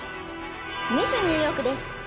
ミスニューヨークです。